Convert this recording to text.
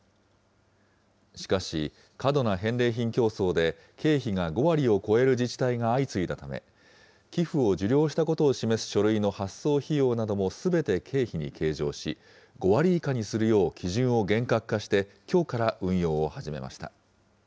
しかし、過度な返礼品競争で経費が５割を超える自治体が相次いだため、寄付を受領したことを示す書類の発送費用などもすべて経費に計上し、５割以下にするよう基準を厳格化してきょうから運用を始めました。